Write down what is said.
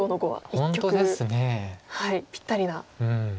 一局ぴったりな。